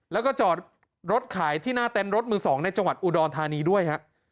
แล้วก็จอดรถขายที่หน้าเต็นต์รถมือ๒ในจังหวัดอุดรธานีด้วยฮะ